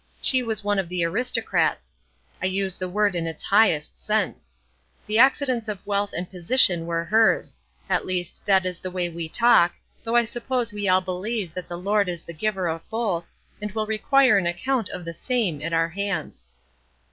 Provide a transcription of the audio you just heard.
She was one of the aristocrats. I use the word in its highest sense. The accidents of wealth and position were hers; at least, that is the way we talk, though I suppose we all believe that the Lord is the giver of both, and will require an account of the same at our hands.